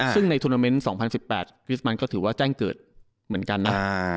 ซึ่งในทุนาเมนต์๒๐๑๘คริสมันก็ถือว่าแจ้งเกิดเหมือนกันนะ